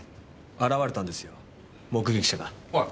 現れたんですよ目撃者が。おい！